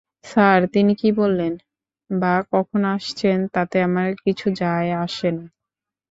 Sir, তিনি কী বললেন বা কখন আসছেন তাতে আমার কিছু যায়-আসে না।